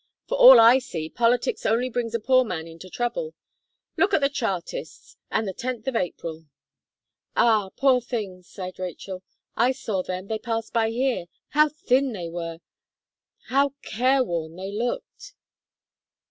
For all I see, politics only brings a poor man into trouble. Look at the Chartists, and the tenth of April." "Ah! poor things!" sighed Rachel, "I saw them they passed by here. How thin they were bow careworn they looked!"